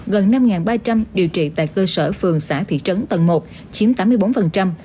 gần năm ba trăm linh điều trị tại cơ sở phường xã thị trấn tầng một chiếm tám mươi bốn